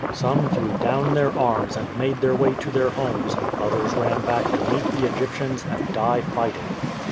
Some threw down their arms and made their way to their homes, others ran back to meet the Egyptians and die fighting.